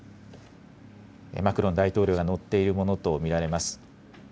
マクロン大統領が乗っているものと見られます。